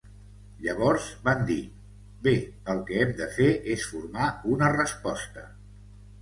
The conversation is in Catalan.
Llavors, van dir, "Bé, el que hem de fer és formar una resposta.